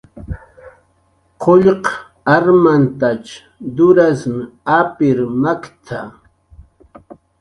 "Qullq armantach turas apir makt""a "